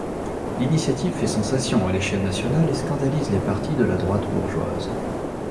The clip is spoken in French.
L’initiative fait sensation à l’échelle nationale et scandalise les partis de la droite bourgeoise.